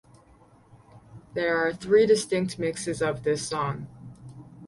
There are three distinct mixes of this song.